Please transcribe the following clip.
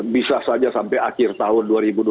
bisa saja sampai akhir tahun dua ribu dua puluh